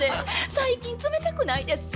最近冷たくないですか？